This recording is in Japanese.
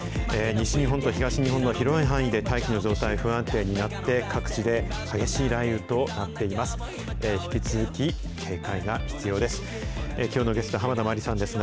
西日本と東日本の広い範囲で、大気の状態不安定になって、各地で激しい雷雨となっています。